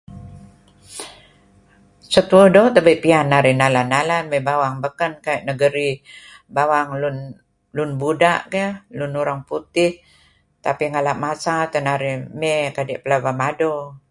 Setu'uh neh doo' tebe' piyan narih nalan-nalan mey bawang beken katu' negeri bawang lun buda' keh lun urang putih keh tapi ngalap masa teh narih mey kadi' pelaba mado.